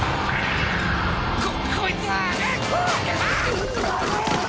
ここいつ！